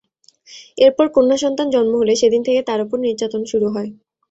এরপর কন্যাসন্তান জন্ম হলে সেদিন থেকে তাঁর ওপর নির্যাতন শুরু হয়।